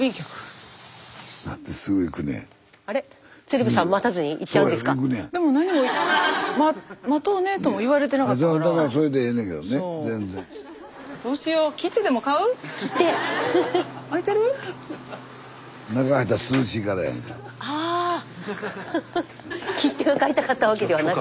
スタジオ切手を買いたかったわけではなく。